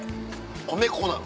米粉なの？